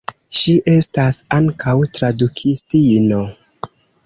Ŝi estas ankaŭ tradukistino.